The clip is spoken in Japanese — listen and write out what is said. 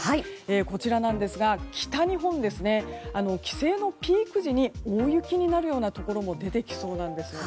こちらなんですが北日本ですね、帰省のピーク時に大雪になるようなところも出てきそうなんです。